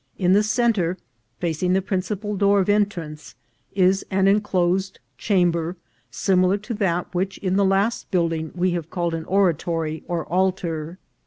In the centre, facing the principal door of entrance, is an enclosed chamber similar to that which in the last building we have called an oratory or altar.